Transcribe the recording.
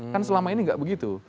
kan selama ini nggak begitu